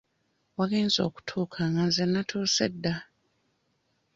Wagenze okutuuka nga nze nnatuuse dda.